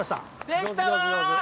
できたわ！